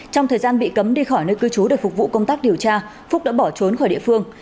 trong thời gian bị cấm đi khỏi nơi cư trú để phục vụ công tác điều tra phúc đã bỏ trốn khỏi địa phương